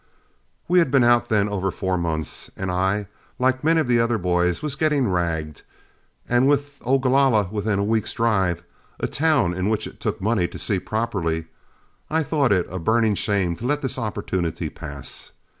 We had been out then over four months, and I, like many of the other boys, was getting ragged, and with Ogalalla within a week's drive, a town which it took money to see properly, I thought it a burning shame to let this opportunity pass.